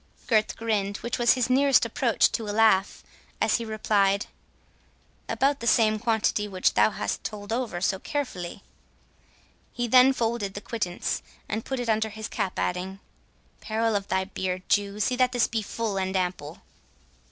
Gurth grinned, which was his nearest approach to a laugh, as he replied, "About the same quantity which thou hast just told over so carefully." He then folded the quittance, and put it under his cap, adding,—"Peril of thy beard, Jew, see that this be full and ample!"